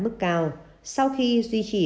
mức cao sau khi duy trì